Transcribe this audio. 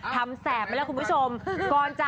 ทำแสบมาแล้วคุณผู้ชม